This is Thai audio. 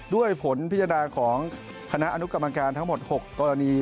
ด้วยผลพิจารณาของคณะอนุกรรมการทั้งหมด๖กรณี